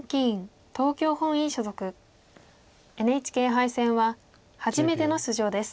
ＮＨＫ杯戦は初めての出場です。